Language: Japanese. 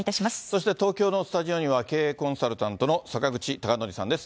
そして東京のスタジオには、経営コンサルタントの坂口孝則さんです。